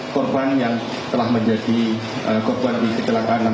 korban yang telah menjadi korban di ct enam puluh